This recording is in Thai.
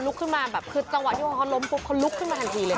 ลุกขึ้นมาจังหวัดที่เขาล้มพรุ่งเขาลุกขึ้นมาทันทีเลย